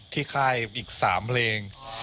ที่ค่ายอีกสามเพลง